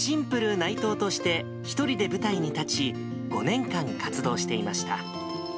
内藤として１人で舞台に立ち、５年間活動していました。